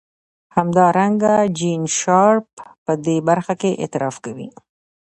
همدارنګه جین شارپ په دې برخه کې اعتراف کوي.